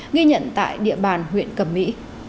nghi nhận tại địa bàn huyện cẩm mỹ